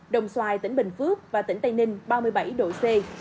đồng xoài tỉnh bình phước và tỉnh tây ninh ba mươi bảy độ c